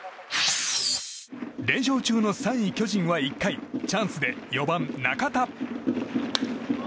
連勝中の３位、巨人は１回チャンスで４番、中田。